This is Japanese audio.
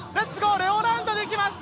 レオランドに来ました。